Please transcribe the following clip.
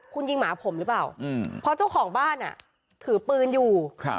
คุณยิงหมาผมหรือเปล่าเพราะเจ้าของบ้านถือปืนอยู่